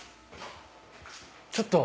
ちょっと。